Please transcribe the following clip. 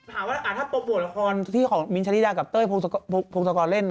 ถามว่าถ้าโปรโมทละครที่ของมิ้นทะลิดากับเต้ยพงศกรเล่น